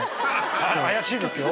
怪しいですよ。